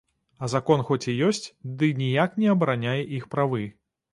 А закон хоць і ёсць, ды ніяк не абараняе іх правы.